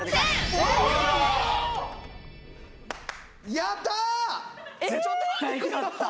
やったー！